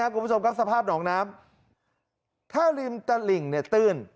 กลุ่มผู้ชมกักสภาพหนองน้ำถ้าริมตระหลิ่งตื้น